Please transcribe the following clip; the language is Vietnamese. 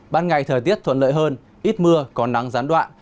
ban ngày thời tiết thuận lợi hơn ít mưa còn nắng gián đoạn